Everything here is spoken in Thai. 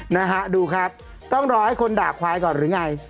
นะฮะดูครับต้องรอให้คนด่าควายก่อนหรือไง